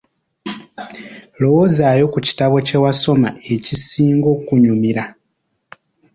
Lowoozaayo ku kitabo kye wasoma ekisinga okukunyumira.